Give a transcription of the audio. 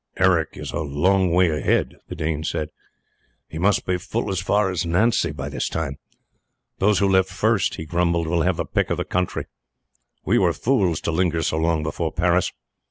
"Eric is a long way ahead," the Dane said; "he must be full as far as Nancy by this time. Those who left first," he grumbled, "will have the pick of the country. We were fools to linger so long before Paris."